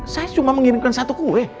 saya cuma mengirimkan satu kue